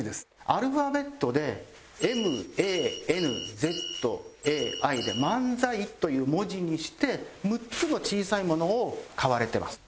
アルファベットでＭＡＮＺＡＩで「ＭＡＮＺＡＩ」という文字にして６つの小さいものを買われてます。